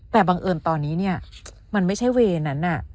แต่บังเอิญตอนนี้เนี่ยมันไม่ใช่เวย์นั้น